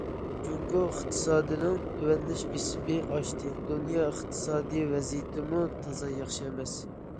جۇڭگو ئىقتىسادىنىڭ تۆۋەنلەش بېسىمى ئاشتى، دۇنيا ئىقتىسادىي ۋەزىيىتىمۇ تازا ياخشى ئەمەس.